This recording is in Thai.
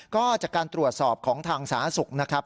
ก็จากการตรวจสอบของทางสาธารณสุขนะครับ